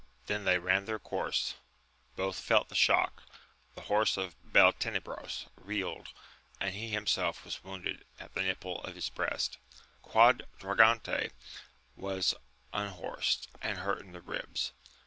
Then they ran their course ; both felt the shock : the horse • of Beltenebros reeled, and he himself was wounded at the nipple of his breast. Quadragante was unhorsed and hurt in the ribs